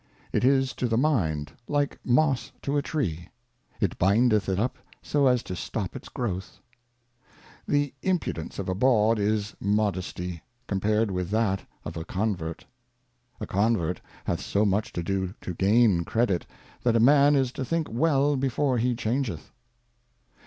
It is to the Mind, like Moss to a Tree, it bindeth it up so as to stop its Growth. Converts. THE Impudence of a Bawd is Modesty, compared with that of a Convert. A Convert hath so much to do to gain Credit, that a Man is to think well before he changeth.